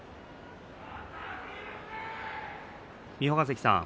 三保ヶ関さん